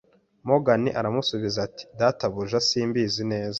Morgan aramusubiza ati: “Databuja, simbizi neza.